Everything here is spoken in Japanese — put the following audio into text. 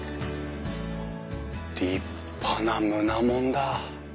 立派な棟門だ。